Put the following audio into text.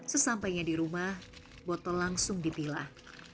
sesampainya di rumah botol langsung dipilah